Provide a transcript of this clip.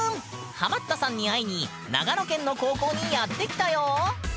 ハマったさんに会いに長野県の高校にやって来たよ！